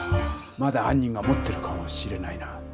まだはん人が持ってるかもしれないな。